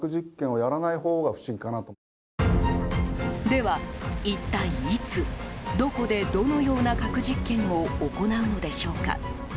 では一体いつ、どこでどのような核実験を行うのでしょうか。